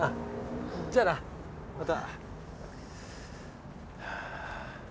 じゃあなまた。